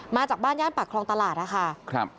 มาจากบ้านย่านปากคลองตลาดนะคะ